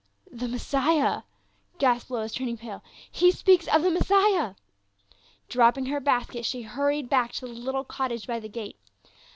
"The Messiah!" gasped Lois, turning pale, "he speaks of the Messiah !" Dropping her basket she hurried back to the little cottage by the gate.